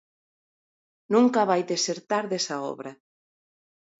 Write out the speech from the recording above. Nunca vai desertar desa obra.